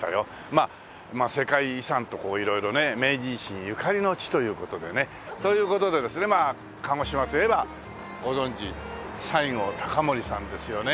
まあ世界遺産と色々ね明治維新ゆかりの地という事でね。という事でですね鹿児島といえばご存じ西郷隆盛さんですよね。